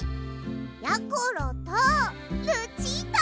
やころとルチータ！